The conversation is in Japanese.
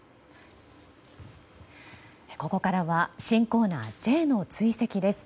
ここからは新コーナーＪの追跡です。